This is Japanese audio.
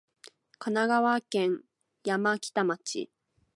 神奈川県山北町